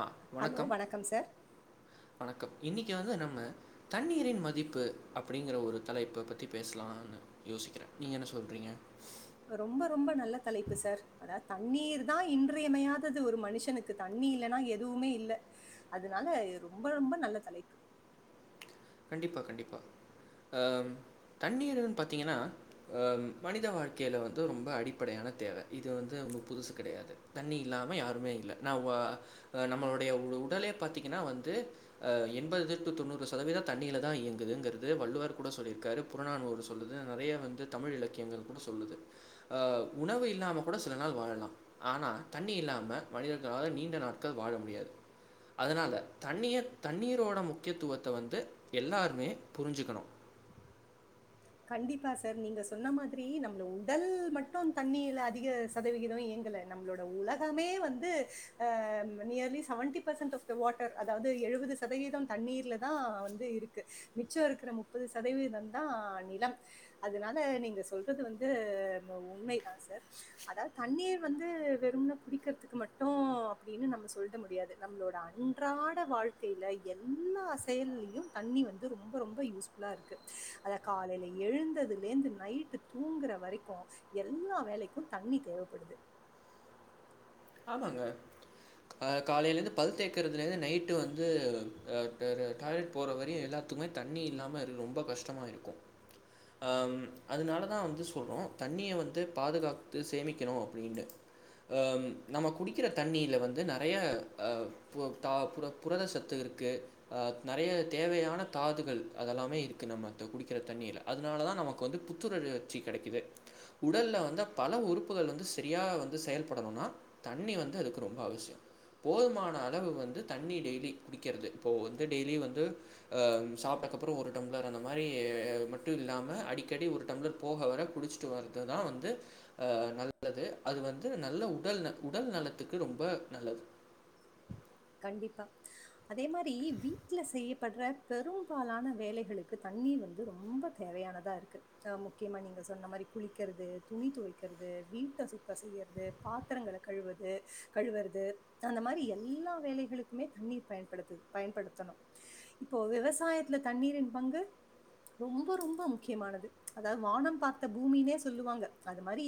ஆ hello வணக்கம் sir. வணக்கம் இன்னிக்கு வந்து நம்ம தண்ணீரின் மதிப்பு அப்படிங்கற ஒரு தலைப்ப பத்தி பேசலா வாங்க யோசிக்கிற நீங்க என்ன சொல்றீங்க ரொம்ப ரொம்ப நல்ல தலைப்பு சார் அதா தண்ணீர் தா இன்றியமையாதது ஒரு மனுஷனுக்கு தண்ணி இல்லனா எதுவுமே இல்ல அதனால இது ரொம்ப ரொம்ப நல்ல தலைப்பு கண்டிப்பா கண்டிப்பா அ தண்ணீர்ன்னு பாத்தீங்கனா அ மனித வாழ்க்கைல வந்து ரொம்ப அடிப்படையான தேவ இது வந்து ஒன்னு புதுசு கெடையாது தண்ணி இல்லாம யாருமே இல்லை நவா ப நம்மளுடைய உடலே பாத்தீங்கனா வந்து அ எண்பதுலருந்து தொண்ணூறு சதவீத தண்ணில தா இயங்குதுங்கறது வள்ளுவர் கூட சொல்லிருக்காரு புறநானூறு சொல்லுது நெறய வந்து தமிழ் இலக்கியங்கள் கூட சொல்லுது உணவு இல்லாமல் கூட சில நாள் வாழலா ஆனா தண்ணி இல்லாம மனிதர்களால நீண்ட நாட்கள் வாழ முடியாது அதனால தண்ணீர் தண்ணீரோட முக்கியத்துவத்த வந்து எல்லாருமே புரிஞ்சிக்கணு கண்டிப்பா சார் நீங்க சொன்ன மாதிரி நம்மள உடல் மட்டு தண்ணில அதிக சதவிகித இயங்கல நம்மளோட உலகமே வந்து நியர்லி செவன்டிபசன்ட் வாட்டர் அதாவது எழுபது சதவீத தண்ணீர்லதா வந்து இருக்கு மிச்ச இருக்க முப்பது சதவீத தா நீர் அதனால நீங்க சொல்றது வந்து உண்மைதா சார் அதாவது தண்ணீர் வந்து வெறும்ன குடிக்கிறதுக்கு மட்டு அப்டின்னு நம்ம சொல்ட முடியாது நம்மளோட அன்றாட வாழ்க்கைல எல்லா செயல்லயு தண்ணி வந்து ரொம்ப ரொம்ப யூஸ்ஃபுல் நல்லாருக்கு அத காலையி எழுந்ததுலேந்து நைட்டு தூங்குற வரைக்கு எல்லா வேலைக்கு தண்ணி தேவப்படுது ஆமாங்க அ. காலைலேந்து பல் தேக்கறதுலேர்ந்து நைட்டு வந்து அ.. ட. டாய்லெட் போற வரையு எல்லா மே தண்ணி இல்லாம ரொம்ப கஷ்டமா இருக்கு அ.. அதனாலதா வந்து சொல்றோ தண்ணிய வந்து பாதுகாத்து சேமிக்கணு அப்டின்னு ஆம் நாம குடிக்கிற தண்ணில வந்து நெறய ப.. பு... புரதசத்து இருக்கு அ.. நெறய தேவையான தாதுகள் அதெல்லாமே இருக்கு நம்ம குடிக்கிற தண்ணில அதனால தா நமக்கு வந்து புத்துணர்ச்சி கிடைக்குது உடல்ல வந்து பல உறுப்புகள் வந்து சரியா வந்து செயல்படணுனா தண்ணி வந்து அதுக்கு ரொம்ப அவசிய போதுமான அளவு வந்து தண்ணி டெய்லி குடிக்கறது இப்போ வந்து டெய்லி வந்து அ.. சாப்ட்டக்கப்பற ஒரு டம்ளர் அந்த மாரி மட்டு இல்லாம அடிக்கடி ஒரு டம்ளர் போக வர குடிச்சு து வந்துதா வந்து நல்லது அது வந்து நல்ல உடல்நல உடல் நலத்துக்கு ரொம்ப நல்லது கண்டிப்பா அதே மாரி வீட்ல செய்யப்படுற பெரும்பாலான வேலைகளுக்கு தண்ணீ வந்து ரொம்ப தேவையானதா இருக்கு ஆ முக்கியமா நீங்க சொன்ன மாரி குளிக்கறது, துணி துவைக்கறது, வீட்ட சுத்த செய்யறது பாத்தரங்கள கழுவது கழுவறது அந்த மாரி எல்லாம் வேலைகளுக்குமே தண்ணீர் பயன்படுத்து பயன்படுத்தணும் இப்போ விவசாயத்துல தண்ணீரின் பங்கு ரொம்ப ரொம்ப முக்கியமானது அதாவ்து வானம் பாத்த பூமினே சொல்லுவாங்க அது மாரி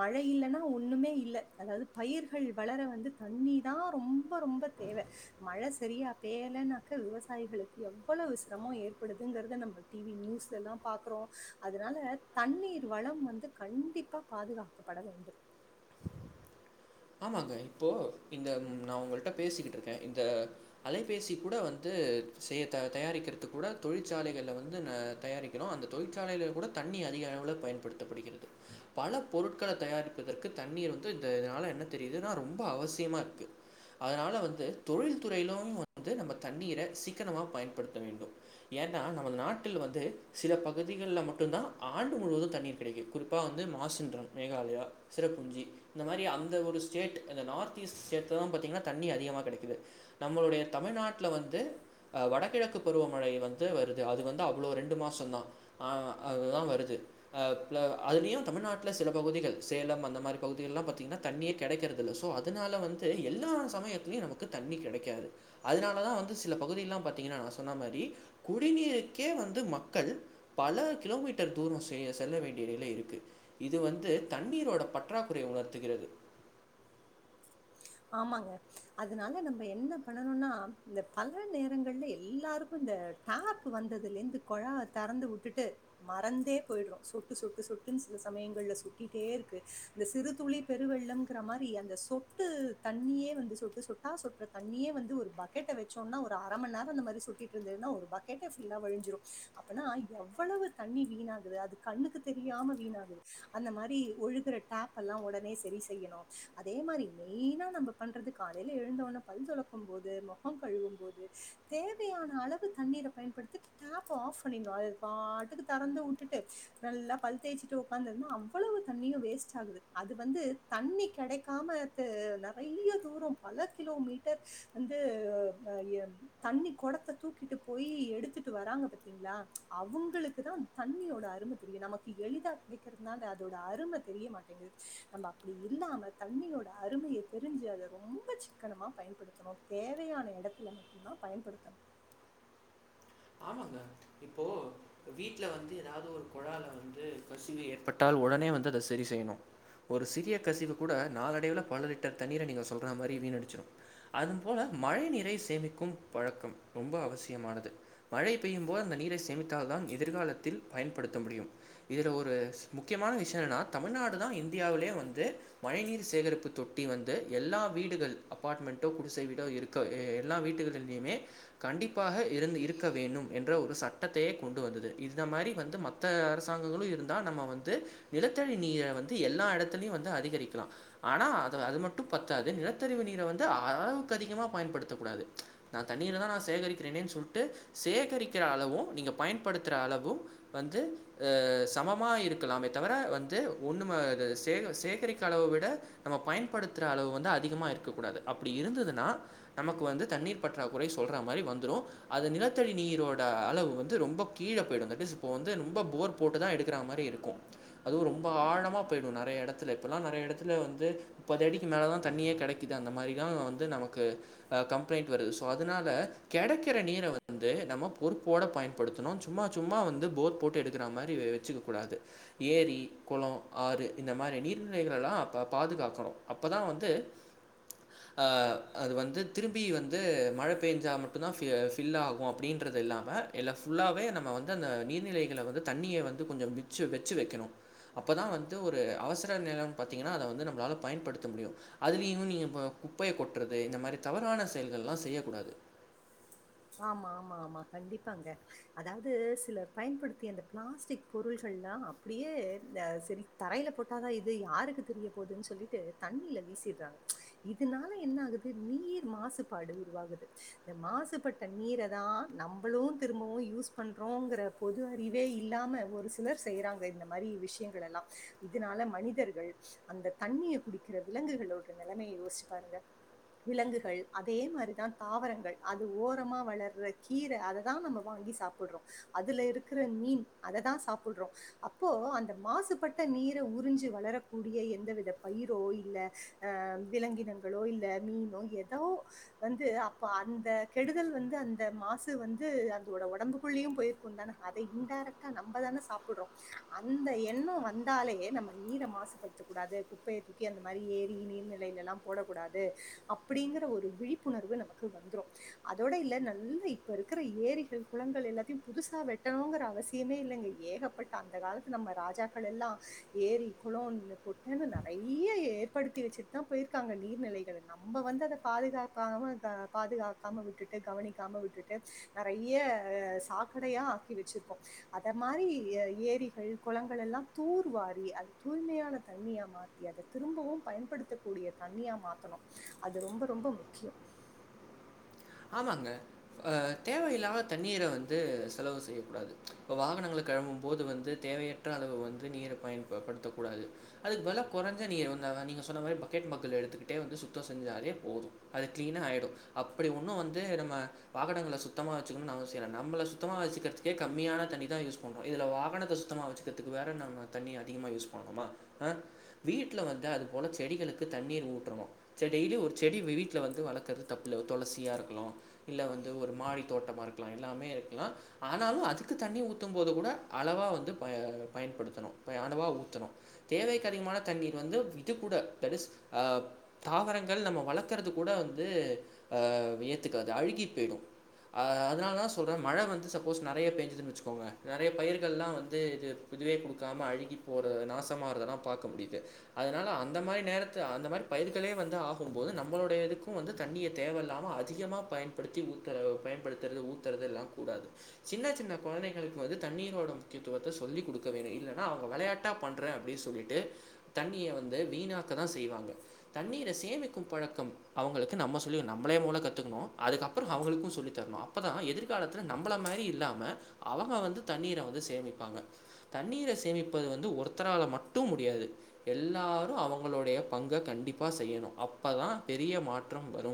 மழை இல்லன்னா ஒண்ணுமே இல்ல அதாவது பயிர்கள் வளர வந்து தண்ணீதா ரொம்ப ரொம்ப தேவ மழ சரியா பேயலன்னாக்க விவசாயிகளுக்கு எவ்வளவு சிரமம் ஏற்படுதுங்கறத நம்ப டிவி நியூஸ்லலா பாக்கறோம் அதனால தண்ணீர் வளம் வந்து கண்டிப்பா பாதுகா க்கபட வேண்டும் ஆமாங்க இப்போ இந்த நா உங்கள் ட்ட பேசிக்கிட்டு இருக்கே இந்த அலைபேசி கூட வந்து செய் தயாரிக்கிறது கூட தொழிற்சாலைகள்ள வந்து ந தயாரிக் றோ அந்த தொழிற்சாலைலில கூட தண்ணி அதிக அளவுல் பயன்படுத்தப்படுகிறது பல பொருட்கள தயாரிப்பதற்கு தண்ணீர் வந்து இந்த இதனால என்ன தெரியுதுன்னா ரொம்ப அவசியமா இருக்கு அதனால வந்து தொழில் துறையிலு வந்து நம்ம தண்ணீர சிக்கனமா பயன்படுத்த வேண்டும் ஏன்னா நமது நாட்டில் வந்து சில பகுதிகள்ல மட்டு தா ஆண்டு முழுவது தண்ணீர் கிடைக்கு குறிப் ப்பா வந்து மாசின்றோ மேகாலயா சிறப்புஞ்சி இந்த மாரி அந்த ஒரு ஸ்டேட் இந்த நார்த்ஈஸ்ட் ஸ்டேட் தா பார்த்தீங்கன்னா தண்ணி அதிகமா கிடைக்குது நம்மளுடைய தமிழ்நாட்டுல வந்து அ வடகிழக்கு பருவமழை வந்து வருது அது வந்து அவ்வளோ ரெண்டு மாசம தா ஆ அதுதா வருது ஆ புல அதுலயு தமிழ்நாட்டிலே சில பகுதிகள் சேலம் அந்த மாரி பகுதிகல்லா பாத்தீங்கன்னா தண்ணீயே கிடைக்கறது இல்ல சோ அதனால வந்து எல்லா சமயத்துலயு நமக்கு தண்ணி கிடைக்காது அதனாலதா வந்து சில பகுதில்லா பாத்தீங்கன்னா நா சொன்ன மாரி குடிநீருக்கே வந்து மக்கள் பல கிலோமீட்டர் தூரம் செ செல்ல வேண்டிய நிலை இருக்கு இது வந்து தண்ணீரோட பற்றாக்குறைய உணர்த்துகிறது ஆமாங்க அதனால நம்ம என்ன பண்ணணும்னா இந்த பல நேரங்கள்ல எல்லாருக்கு இந்த டேப்பு வந்ததுலேர்ந்து குழாவ தெறந்து விட்டுட்டு மறந்தே போயிடுறோம் சொட்டு சொட்டு சொட்டுனு சில சமயங்கள்ல சொட்டிட்டே இருக்கு இந்த சிறுதுளி பெருவெள்ளம்ங்கிற மாரி அந்த சொட் ட்டு தண்ணியே வந்து சுட்டு சுட்டா சுட்டுற தண்ணியே வந்து ஒரு பக்கெட்ட வச்சோனா ஒரு அரை மணி நேர அந்த மாரி சொட்டிட் றதுனா ஒரு பக்கெட்டே ஃபுல்லா வலிச்சுரு அப்பனா எவ்வளவு தண்ணி வீண் ஆகுது அதுக்கு கண்ணுக்கு தெரியாம வீணாகுது அந்த மாரி ஒழுகுற டேப் எல்லா உடனே சரி செய்யணு அதே மாரி மெயினா நம்ம பண்றது காலையில எழுந்தோனா பல் துலக்கும் போது முக கழுவும் போது தேவையான அளவு தண்ணீர பயன்படுத்திட்டு டேப் ஆஃப் பண்ணிட்டு அது பாட்டுக்கு திறந்து உட்டுட்டு நல்லா பல்லு தேய்சச்சிட்டு உக்காந்து இருந்து அவ்வளவு தண்ணியு வேஸ்ட் ஆகுது அது வந்து தண்ணி கிடைக்காம து நெறைய தூர பல கிலோமீட்டர் வந்து அஎ தண்ணி குடத்த தூக்கிட்டு போய் எடுத்துட்டு வராங்க பத்தீங்களா அவுங்களுக்கு தா தண்ணியோட அருமை தெரியு நமக்கு எளிதா கிடைக்கிறதுனால அதோட அரும தெரிய மாட்டேங்குது நம்ம அப்புடி இல்லாம தண்ணியோட அருமைய தெரிஞ்சு அத ரொம்ப சிக்கனமா பயன்படுத்தணு தேவையான எடத்துல மட் டுதா பயன்படுத்தணு ஆமாங்க இப்போ வீட்டுல வந்து ஏதாது ஒரு குழால வந்து கசிவு ஏற்பட்டா உடனே வந்து அத சரி செய்யணு ஒரு சிறிய கசிவு கூட நாளடைவிலே பல லிட்டர் தண்ணீர நீங்க சொல்ற மாரி வீணடிச்சிடு அது போல மழை நீரை சேமிக்கும் பழக்கம் ரொம்ப அவசியமானது மழை பெய்யு போது அந்த நீரை சேமித்தால்தான் எதிர்காலத்தில் பயன்படுத்த முடியும் இதுல ஒரு முக்கியமான விஷயோ என்னனா தமிழ்நாடு தா இந்தியாவிலேயே வந்து மழை நீீர் சேகரிப்பு தொட்டி வந்து எல்லா வீடுகள் அபார்ட்மென்டோ குடிசை வீடோ இருக் எல்லா வீட்டுகளிலேயுமே கண்டிப்பாக இருந்து இருக் இருக்க வேணும் என்ற ஒரு சட்டத்தையே கொண்டு வந்தது இந்த மாரி வந்து மத்த அரசாங்கங்களு இருந்தா நம்ம வந்து நிலத்தடி நீர வந்து எல்லா இடத்துலயு வந்து அதிகரிக்கலா ஆனா அத அது மட்டு பத்தாது நிலத்தரிவு நீரை வந்து அளவுக்கு அதிகமா பயன்படுத்த கூடாது ச் நா தண்ணிர தா நா சேகரிக்கிறேன்னே சொல்லிட்டு சேகரிக்கிற அளவு நீங்க பயன்படுத்துற அளவு வந்து சமமா இருக்கலாமே தவிர வந்து ஒண்ணு சே சேகரிக்க அளவு விட நம்ம பயன்படுத்துற அளவு வந்து அதிகமா இருக்கக் கூடாது அப்புடி இருந்ததுனா நமக்கு வந்து தண்ணீர் பற்றாக்குறை சொல்ற மாரி வந்துரு அது நிலத் நிலத்தடி நீரோட அளவு வந்து ரொம்ப கீழே போய்டு தேட் இஸ் இப்போ வந்து ரொம்ப போர் போட்டு தா எடுக்கிற மாரி இருக்கு அதுவு ரொம்ப ஆழமா போயிடு நெறைய இடத்துல இப்பெல்லா நெறைய இடத்துல வந்து முப்பது அடிக்கு மேல தா தண்ணியே கிடைக்குது அந்த மாரி தா வந்து நமக்கு கம்ப்ளைண்ட் வருது சோ அதனால கிடைக்கிற நீர வந்து வந்து நம்ம பொறுப்போட பயன்படுத்தணு சும்மா சும்மா வந்து போர் போட்டு எடுக் குர மாரி வச்சுக்க கூடாது ஏரி குளம் ஆறு இந்த மாரி நீர்நிலைகலெல்லா அப்ப பாதுகாக்கணு அப்போதா வந்து ஆ அது வந்து திரும்பி வந்து மழை பெஞ்சா மட்டுதா ஃபில் ஆகு ஓ அப்புடின்றது இல்லாம எல்லா ஃபுல்லாவே நம்ம வந்து அந்த நீர்நிலைகள வந்து தண்ணிய வந்து கொஞ்சோ சு வச்சு வைக்கணு அப்போதா வந்து ஒரு அவசர நேரோ பாத்திங்கன்னா அத வந்து நம்மளால பயன்படுத்த முடியு அதுலயு இவங்க இப்ப குப்பைய கொட்டுறது இந்த மாரி தவறான செயல்கல்லா செய்ய கூடாது ஆமா ஆ கண்டிப்பாங்க அதாவது சிலர் பயன்படுத்திய அந்த பிளாஸ்டிக் பொருள்கள்லா அப்டியே செரி தரையில போட்டாதா இது யாருக்கு தெரிய போவுதுன்னு சொல்லிட்டு தண்ணில வீசிடுறாங்க இதனால என்ன ஆகுது நீர் மாசுபாடு உருவாகுது இந்த மாசுபட்டு நீர தா நம்மளு திரும்பவு யூஸ் பண்றோங்கிற பொது அறிவே இல்லாம ஒரு சில சிலர் செய்யறாங்க இந்த மாரி விஷயங்கள் எல்லா இதனால மனிதர்கள் அந்த தண்ணிய குடிக்கிற விலங்குகளோட நிலமைய யோசிச்சு பாருங்க விலங்குகள் அதே மாரிதா தாவரங்கள் அது ஓ ஓரமா வளர்ற கீர அத தா நம்ம வாங்கி சாப்பிடுறோ அதுல இருக்கிற மீன் அத தா சாப்பிடுறோ அப்போ அந்த மாசுபட்ட நீர உறிஞ்சி வளரக்கூடிய எந்தவித பயிரோ இல்ல அஹ் விலங்கினங்களோ இல்ல மீனோ எதோ வந்து அப்ப அந்த கெடுதல் வந்து அந்த மாசு வந்து அதோட உடம்புக்குள்ளேயு போயிருக்கு தானே அத இன்டாரக்ட் நம்ம தானே சாப்பிடுறோ அந்த எண்ணோ வந்தாலே நம்ம நீரை மாசுபடுத்த கூடாது குப்பைய தூக்கி அந்த மாரி ஏரி நீர்நிலைையிலலா போட கூடாது அப்புடிங்கிற ஒரு விழிப்புணர்வு நமக்கு வந்துரு அதோட இல்ல நல்ல இப்ப இருக்கிற ஏரிகள் குளங்கள் எல்லாத்தையு புதுசா வெட்டணுங்கிற அவசியமே இல்ல இங்க ஏகப்பட்ட அந்த காலத்து நம்ம ராஜக்கள் எல்லா ஏரி குளோன்னு ஒட்டன்னு நறைய ஏற்படுத்தி வச்சிரு தா போயிருக்காங்க நீர்நிலைகல்ல நம்ப வந்து அத பாதுகாப்பாவு க பாதுகா க்காம விட்டுட்டு கவனிக்காம விட்டுட்டு நறைய சாக்கடையா ஆக்கி வச்சிருக்கோ அத மாரி எ ஏரிகள் குளங்கள் எல்லா தூர்வாரி அது தூய்மையான தண்ணியா மாத் தி அத திரும்பவு பயன்படுத்த கூடிய தண்ணியா மாத்தணு அது ரொம்ப ரொம்ப முக்கியோ ஆமாங்க ஆ தேவையில்லாம தண்ணீர வந்து செலவு செய்யக்கூடாது இப்ப வாகனங்கள கழுவும் போது வந்து தேவைய ற்ற அளவு வந்து நீர பயன் ப படுத்த கூடாது அதுக்கு பதிலா கொறஞ்ச நீர வந்து வ அ நீங்க சொன்ன மாரி பக்கெட் மக்குள எடுத்துக்கிட்டே வந்து சுத்தோ செஞ்சாலே போது அது கிளீனா ஆயிடு அப்புடி ஒன்னு வந்து நம்ம வாகனங்கள சுத்தமா வச்சக்கனுன் அவசியோ இல்ல நம்மள சுத்தமா வசுக்கிறத்துக்கே கம்மியான தண்ணி தா யூஸ் பண்றோ இதுல வாகனத்த சுத்தமா வச்சு கத்துக்கு வேற நம்ம தண்ணிய அதிகமா யூஸ் பண்ணணுமா வீட்ல வந்துட்டு அது போல செடிகளுக்கு தண்ணீர் ஊட்றணு செ டெய்லி ஒரு செடி வீ வீட்ல வந்து வளக்கறது தப்பில்ல ஒரு துளசியா இருக்கலு இல்ல வந்து ஒரு மாடி தோட்டமா இருக்கலா எல்லாமே இருக்கலா ஆனாலு அதுக்கு தண்ணி ஊத்தும் போது கூட அளவா வந்து ப பயன்படுத்தணு அளவா ஊத்தனு ஊத்தணு தேவைக்கு அதிகமான தண்ணீர் வந்து இது கூட தட் இஸ் ஆ தாவரங்கள் நம்ம வளக்கறது கூட வந்து அ ஏத்துக்காது அழுகி போயிடு அ அதனால தா சொல்ற மழ‌ வந்து சப்போஸ் நறைய பேஞ்சுதுன்னு வச்சுக்கோங்க நறைய பயிர்கள்லா வந்து இது இதுவே கொடுக்காம அழுகி போற நாசமாறதெல்லா பாக்க முடியுது அதனால அந்த மாரி நேரத்துல அந்த மாரி பயிர்களே வந்து ஆகும் போது நம்மளுடைய இதுக்கு வந்து தண்ணிய தேவயில்லாம அ அதிகமாக பயன்படுத்தி ஊத்துர பயன்படுத்துறது ஊத்தரதெல்லா கூடாது சின்ன சின்ன கொழந்தைகளுக்கு வந்து தண்ணீரோட முக்கியத்துவத்த சொல்லிக் கொடுக்க வேண்ணு இல்லனா அவுங்க வெளயா ட்டா பண்ற அப்டி சொல்லிட்டு தண்ணிய வந்து வீணாக்க தா செய்வாங்க தண்ணீர சேமிக்கும் பழக்கம் அவுங்களுக்கு நம்ம சொல்லி குடுனு நம்பளே மூதல கத் துக்குணு அதுக்கப்புறோ அவுளுக்கு சொல்லித்தரணு அப்பதா எதிர் காலத்துல நம்பள மாரி இல்லாம அவங்க வந்து தண்ணீர வந்து சேமிப்பாங்க தண்ணீர சேமிப்பது வந்து ஒருத்தரால மட்டும் முடியாது எல்லாரு அவங்களுடைய பங்க கண்டிப்பா செய்யணு அப்பதா பெரிய மாற்றம் வரு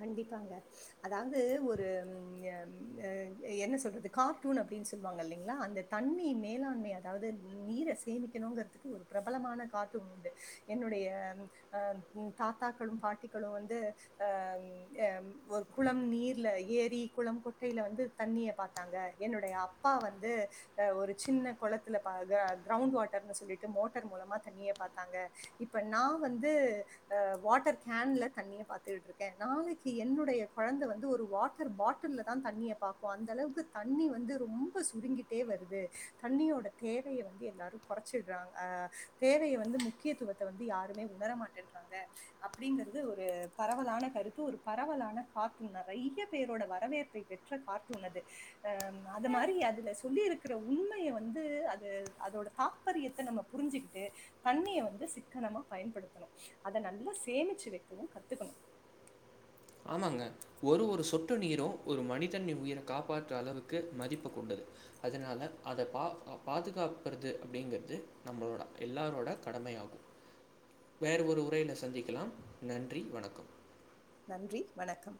கண்டிப்பாங்க அதாவது ஒரு ம் எ ம் அ என்ன சொல்றது கார்ட்டூன் அப்டின்னு சொல்லுவாங்க இல்லைங்களா அந்த தண்ணி மேலாண்மை அதாவது நீர சேமிக்கணுங்கறதுக்கு ஒரு பிரபலமான கார்டூன் உண்டு என்னுடைய அ தாத்தாக்களு பாட்டிக்களு வந்து அ அ ஒரு குளம் நீர்ல ஏரி குளம் குட்டையில வந்து தண்ணிய பாத்தாங்க என்னுடைய அப்பா வந்து அ ஒரு சின்ன கொளத்துல பா க கிரௌண்ட் வாட்டர்ன்னு சொல்லிட்டு மோட்டர் மூலமா தண்ணிய பாத்தாங்க இப்ப நா வந்து அ‌ வாட்டர் கேன்ல தண்ணிய பாத்துக்கிட்டு இருக்க நாளைக்கு என்னுடைய கொழந்த வந்து ஒரு வாட்டர் பாட்டில்ல தா தண்ணிய பாக்கு அந்த அளவுக்கு தண்ணி வந்து ரொம்ப சுருங்கிட்டே வருது தண்ணியோட தேவைய வந்து எல்லாரு குறைச்சடுறாங் அ தேவைய வந்து முக்கியத்துவத்த வந்து யாருமே உணர மாட்டேன்றாங்க அப்டிங்கறது ஒரு பரவலான கருத் து ஒரு பரவலான கார்ட்டூன் நறைய பேரோட வரவேற்பை பெற்ற கார்ட்டூன் அது அ அது மாரி அதுல சொல்லி இருக்கிற உண்மைய வந்து அது அதோட தாக் ரியத்த நம்ம புரிஞ்சுக்கிட்டு தண்ணிய வந்து சிக்கனமா பயன்படுத்தணு அத நல்லா சேமிச்சு வைக்கவு கத்துக்கணு ஆமாங்க ஒரு ஒரு சொட்டு நீரு ஒரு மனிதனின் உயிர காப்பாற்ற அளவுக்கு மதிப்பு கொண்டது அதனால அத பா பாதுகாப்பறது அப்டிங்கற்தூ நம்மளோட எல்லாரோட கடமையாகு வேறு ஒரு உரையில சந்திக்கலாம் நன்றி வணக்கம் நன்றி வணக்கம்